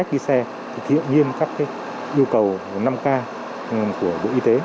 cách đi xe thì thiện nhiên các yêu cầu năm k của đội y tế